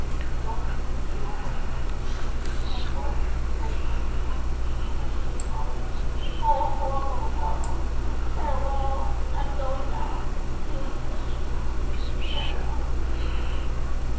Don't grieve too long over me. It was my fault. I stayed behind, when I should have followed. Oh, horrible, horrible ! Farewell ! I'm going now. A loving touch to all — farewell